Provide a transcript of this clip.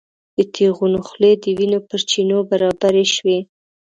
د تیغونو خولې د وینو پر چینو برابرې شوې.